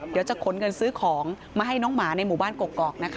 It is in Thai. เดี๋ยวจะขนเงินซื้อของมาให้น้องหมาในหมู่บ้านกกอกนะคะ